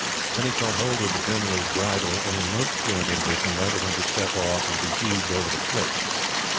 Then he caught hold of the General's bridle, and, in most fluent English, invited him to step off and be heaved over the cliff.